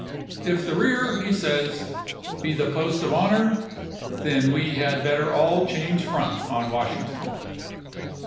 " If the rear," he says, " be the post SmSit?~ of honor, then we had better all change front on P°i39.' Washington."